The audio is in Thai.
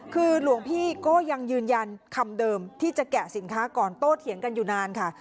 คือหลวงพี่ก็ยังยืนยันคำเดิมที่จะแกะสินค้าก่อนโต้เถียงกันอยู่นานค่ะ